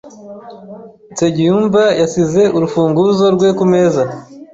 Nsengiyumva yasize urufunguzo rwe kumeza.